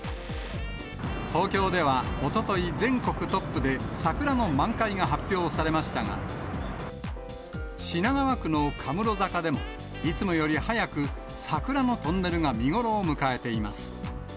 東京ではおととい、全国トップで桜の満開が発表されましたが、品川区のかむろ坂でも、いつもより早く桜のトンネルが見頃を迎えています。